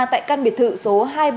tại căn biệt thự số hai trăm ba mươi